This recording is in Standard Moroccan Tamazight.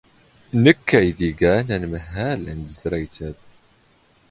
ⵏⴽⴽ ⴰⵢⴷ ⵉⴳⴰⵏ ⴰⵎⵏⵀⴰⵍ ⵏ ⵜⵣⵣⵔⴰⵢⵜ ⴰⴷ.